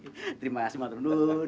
terima kasih mbak ternun